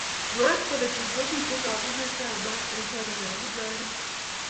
Mwaat kole tun ko mitei kamunget ab mat eng korik ab mungaret